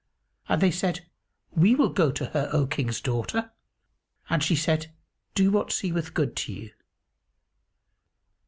And they said, "We will go to her, O King's daughter!"; and she said, "Do what seemeth good to you."